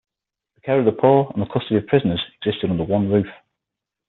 The care of the poor and the custody of prisoners existed under one roof.